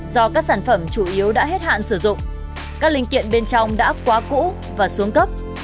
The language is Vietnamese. do các sản phẩm chủ yếu đã hết hạn sử dụng các linh kiện bên trong đã quá cũ và xuống cấp